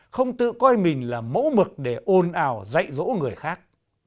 không tự coi mình là mẫu mực để ồn ào dạy dỗ người khác